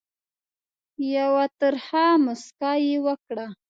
یوه ترخه مُسکا یې وکړه.